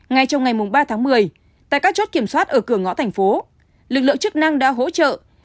ngay trong ngày ba tháng một mươi tại các chốt kiểm soát ở cửa ngõ thành phố lực lượng chức năng đã hỗ trợ